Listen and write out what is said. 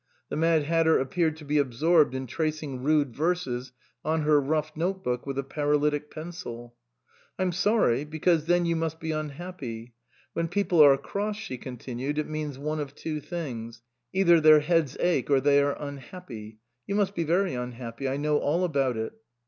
The Mad Hatter appeared to be absorbed in tracing rude verses on her rough notebook with a paralytic pencil. " I'm sorry ; because then you must be un happy. When people are cross," she continued, " it means one of two things. Either their heads ache or they are unhappy. You must be very unhappy. I know all about it."